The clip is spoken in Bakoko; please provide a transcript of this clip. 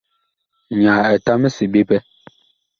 Nyaa etam ɛ seɓe pɛ.